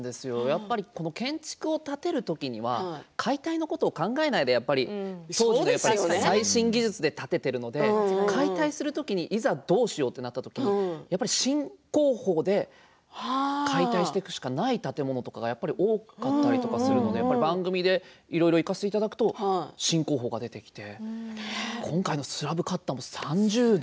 建築を建てる時には解体のことを考えないで当時の最新技術で建てているので解体するときにいざ、どうしようとなった時にやっぱり新工法で解体していくしかない建物とかが多かったりするので番組でいろいろ行かせていただくと新工法が出てきて今回のスラブカッターも３０度。